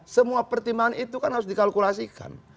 semua pertimbangan itu kan harus dikalkulasikan